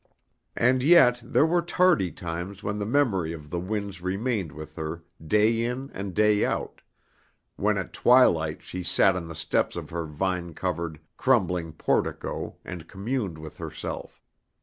And yet there were tardy times when the memory of the winds remained with her day in and day out, when at twilight she sat on the steps of her vine covered, crumbling portico and communed with herself.